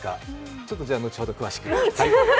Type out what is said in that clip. ちょっと後ほど詳しく。